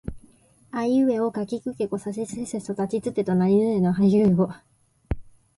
あいうえおかきくけこさしすせそたちつてとなにぬねのはひふへほ